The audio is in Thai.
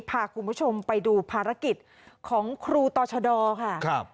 พาคุณผู้ชมไปดูภารกิจของครูต่อชะดอค่ะครับ